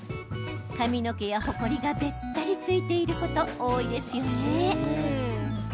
髪の毛やほこりがべったり付いていること多いですよね。